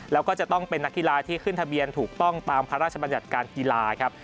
แล้วก็จะต้องเป็นนักกีฬาที่ขึ้นทะเบียนถูกต้องตามพระราชบัญญัติการกีฬาครับ